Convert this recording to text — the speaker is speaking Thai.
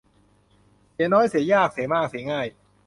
เสียน้อยเสียยาก เสียมากเสียง่าย